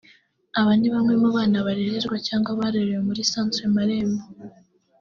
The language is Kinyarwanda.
Aba nibamwe mu bana barererwa cyangwa barerewe muri Centre Marembo